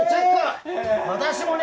私もね